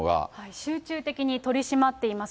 集中的に取り締まっております。